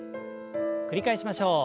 繰り返しましょう。